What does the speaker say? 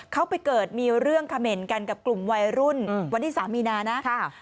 เขาไปเกิดมีเรื่องเขม่นกันกับกลุ่มวัยรุ่นวันที่๓มีนานะ